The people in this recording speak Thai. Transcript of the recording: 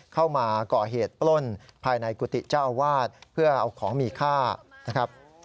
เข้ามาก่อเหตุปล้นภายในกุฏิเจ้าอาวาสเพื่อเอาของมีค่านะครับ